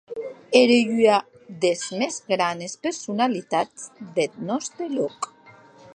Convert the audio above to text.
Ère ua des mès granes personalitats deth nòste lòc.